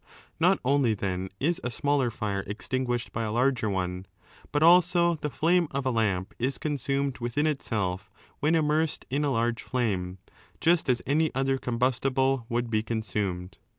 Not only, then, is a smaller fire extinguished by a laiger one, but also the flame of a lamp is consumed within itself when immersed 470a in a large flame, just as any other combustible would be consumed.